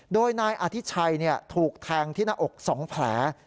โดยนายอธิชัยถูกแทงที่หน้าอก๒แผล